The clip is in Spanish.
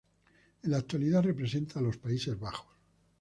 En la actualidad representa a los Países Bajos.